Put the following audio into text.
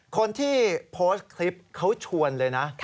คนที่โพสต์คลิปเขาชวนเลยนะ